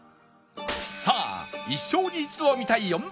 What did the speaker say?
さあ一生に一度は見たい４大絶景